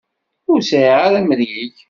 Ur sɛiɣ ara amrig.